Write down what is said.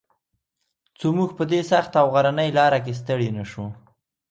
څو موږ په دې سخته او غرنۍ لاره کې ستړي نه شو.